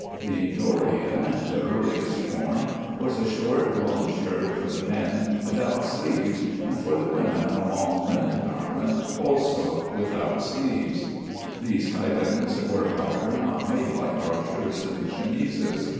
The "Dorian" (the earliest form) was a short woollen shirt for the men, without sleeves, and for the women a long linen garment, also without sleeves. These chitons were, however, not made like our shirts and chemises.